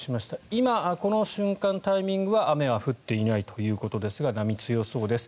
今、この瞬間、タイミングは雨は降っていないということですが波、強そうです。